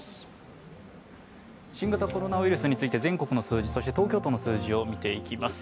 新型コロナウイルスについて、全国の数字、そして東京都の数字を見ていきます。